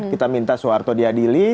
kita minta suharto diadili